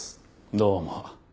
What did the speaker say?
どうも。